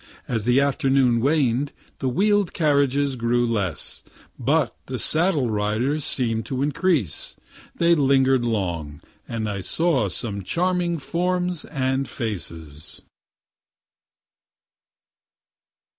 As the afternoon waned, the wheel'd carriages grew less, but the saddle riders seemed to increase. They linger'd long and I saw some charming forms and faces.